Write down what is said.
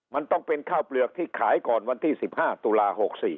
มันต้องเป็นข้าวเปลือกที่ขายก่อนวันที่๑๕ตุลา๖๔